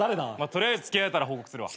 取りあえず付き合えたら報告するわ。